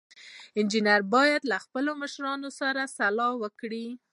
انجینر باید له خپلو مشتریانو سره سلا وکړي.